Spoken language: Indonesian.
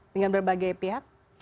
dengan berbagai pihak